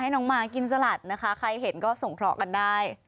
น้องมากินสลัดนะคะใครเห็นก็ส่งเคราะห์กันได้